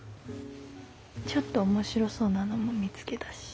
ちょっと面白そうなのも見つけたし。